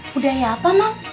budaya apa mam